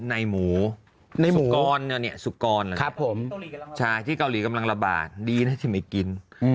ในหมูสุกรอนที่เกาหลีกำลังระบาดดีนะที่ไม่กิน